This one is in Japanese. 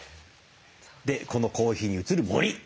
でこのコーヒーに映る森。